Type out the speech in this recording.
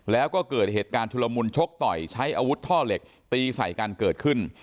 แล้วก็เกิดเหตุการณ์ชุลมุนชกต่อยใช้อาวุธท่อเหล็กตีใส่กันเกิดขึ้น